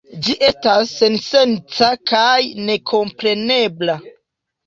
Ĝi estas sensenca kaj nekomprenebla.